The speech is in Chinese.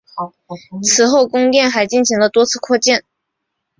此后宫殿还进行了多次扩建。